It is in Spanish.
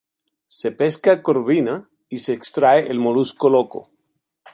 Se pesca corvina y se extrae El molusco Loco.